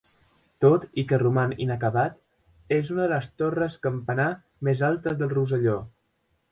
Tot i que roman inacabat, és una de les torres-campanar més altes del Rosselló.